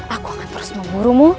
aku akan terus memburumu